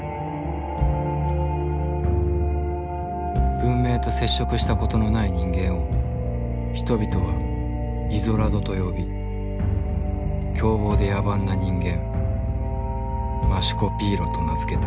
文明と接触した事のない人間を人々はイゾラドと呼び凶暴で野蛮な人間マシュコピーロと名付けた。